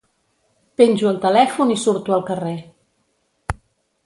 Penjo el telèfon i surto al carrer.